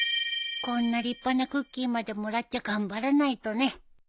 こんな立派なクッキーまでもらっちゃ頑張らないとね。